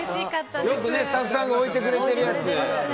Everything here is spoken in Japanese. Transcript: よくスタッフさんが置いてくれてるやつ。